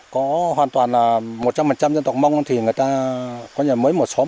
có hoàn toàn là một trăm linh dân tộc mông thì người ta có nhà mới một xóm